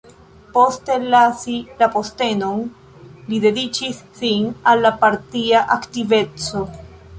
Poste lasi la postenon, li dediĉis sin al la partia aktiveco.